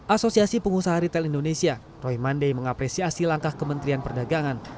asosiasi pengusaha ritel indonesia mengapresiasi langkah kementerian perdagangan